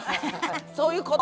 そういうこと。